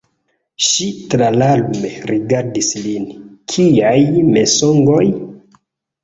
Ŝi tralarme rigardis lin: “Kiaj mensogoj?